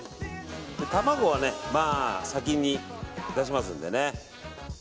卵はね、先に出しますんでね。